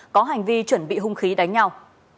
có hành vi chuẩn bị hung khí đánh nhau